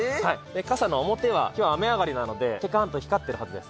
かさの表は、きょうは雨上がりなのでぴかーんと光ってるはずです。